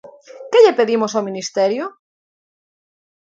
¿Que lle pedimos ao Ministerio?